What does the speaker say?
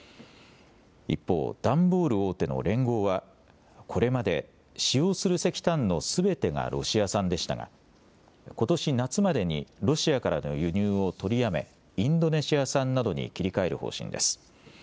一方、段ボール大手のレンゴーはこれまで使用する石炭のすべてがロシア産でしたがことし夏までにロシアからの輸入を取りやめインドネシア産などに切り替える方針です。